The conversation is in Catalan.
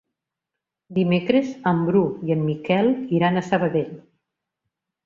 Dimecres en Bru i en Miquel iran a Sabadell.